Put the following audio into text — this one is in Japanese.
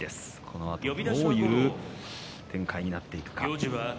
このあと、どういう展開になっていくか。